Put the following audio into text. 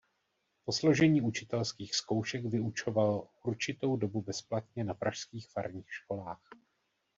Po složení učitelských zkoušek vyučoval určitou dobu bezplatně na pražských farních školách.